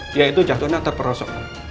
dia itu jatuhnya terperosok